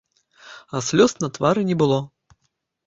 А слёз на твары не было.